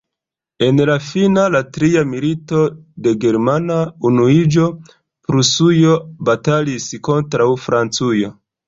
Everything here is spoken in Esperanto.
En la fina, la tria milito de germana unuiĝo, Prusujo batalis kontraŭ Francujo.